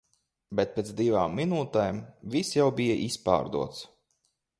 Bet pēc divām minūtēm viss jau bija izpārdots.